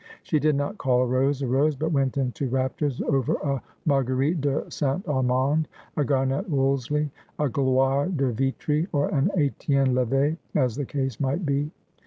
She did not call a rose a rose, but went into raptures ov r a Marguerite de St. Armand, a Garnet Wolseley, a Gioire de Vitry, or an Etienne Levet, as the case might be.